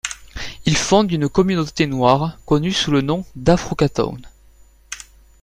Ils fondent une communauté noire, connue sous le nom d’Africatown.